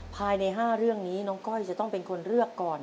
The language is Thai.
ภายใน๕เรื่องนี้น้องก้อยจะต้องเป็นคนเลือกก่อน